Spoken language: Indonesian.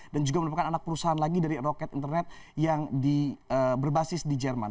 dan juga merupakan anak perusahaan lagi dari rocket internet yang berbasis di jerman